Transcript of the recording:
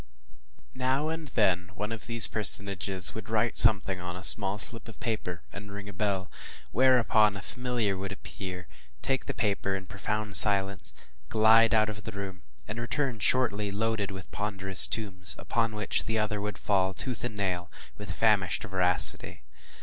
Now and then one of these personages would write something on a small slip of paper, and ring a bell, whereupon a familiar would appear, take the paper in profound silence, glide out of the room, and return shortly loaded with ponderous tomes, upon which the other would fall, tooth and nail, with famished voracity.